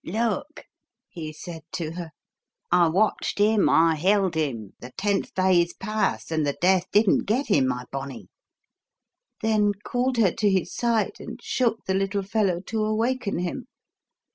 'Look,' he said to her, 'I watched him I held him the tenth day is past and the death didn't get him, my bonnie!' Then called her to his side and shook the little fellow to awaken him.